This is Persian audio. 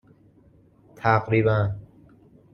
تقریباً